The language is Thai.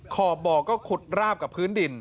ขอบบ่อก็ขุดราบกับพื้นดิน